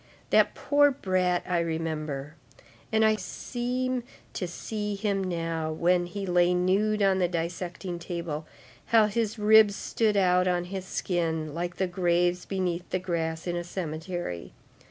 That poor brat, I remember, and I seem to see him now, when he lay nude on the dissecting table, how his ribs stood out on his skin like the graves beneath the grass in a cemetery.